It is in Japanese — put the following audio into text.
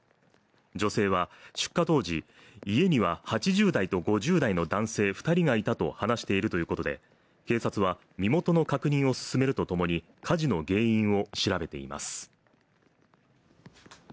女性は出火当時、家には８０代と５０代の男性２人がいたと話しているということで、警察は身元の確認を進めるとともに火事の原因を調べています。